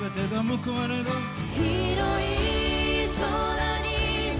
「広い空に」